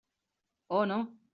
Oh no.